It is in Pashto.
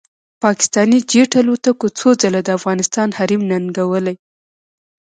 پاکستاني جېټ الوتکو څو ځله د افغانستان حریم ننګولی